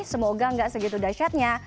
semoga nggak segitu dasyatnya